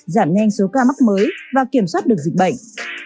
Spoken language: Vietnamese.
giảm nhanh số ca mắc mới và kiểm soát được dịch bệnh